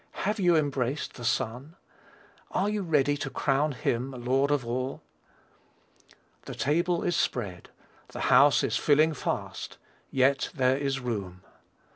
Have you embraced the Son? Are you ready to "Crown him Lord of all?" The table is spread, the house is filling fast: "yet there is room."